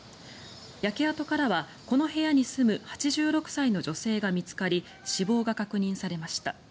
焼け跡からはこの部屋に住む８６歳の女性が見つかり死亡が確認されました。